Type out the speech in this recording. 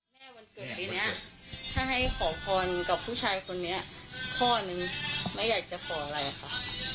วันเกิดปีนี้ถ้าให้ขอพรกับผู้ชายคนนี้ข้อนึงแม่อยากจะขออะไรค่ะ